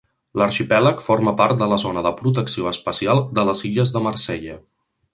L'arxipèlag forma part de la zona de protecció especial de les illes de Marsella.